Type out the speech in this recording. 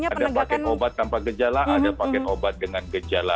ada paket obat tanpa gejala ada paket obat dengan gejala